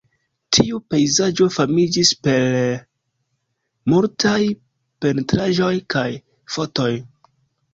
Tiu pejzaĝo famiĝis per multaj pentraĵoj kaj fotoj.